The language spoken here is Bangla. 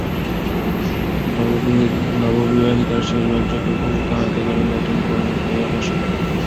নববিবাহিতার সে লজ্জাটুকু তাহাকে যেন নতুন করিয়া পাইয়া বসিল।